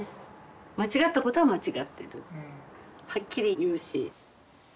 間違ったことは間違ってるはっきり言うし。